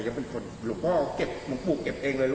หรือว่าเก็บหลวงปู่เก็บเองเลย